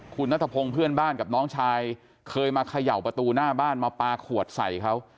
คุณนัทพงศ์เพื่อนบ้านกับน้องชายเคยมาเขย่าประตูหน้าบ้านมาปลาขวดใส่เขา